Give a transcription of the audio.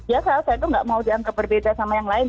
ya saya itu nggak mau dianggap berbeda sama yang lain